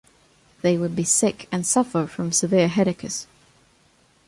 They would be sick and suffer from severe headaches.